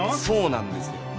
そうなんですよ。